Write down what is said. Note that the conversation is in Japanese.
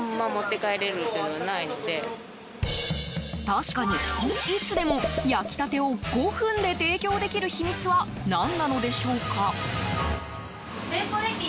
確かに、いつでも焼きたてを５分で提供できる秘密は何なのでしょうか。